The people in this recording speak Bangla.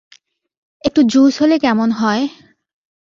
একটু জুস হলে কেমন হয়?